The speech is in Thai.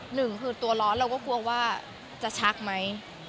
หนึ่งคือตัวร้อนเราก็กลัวว่าจะชักไหม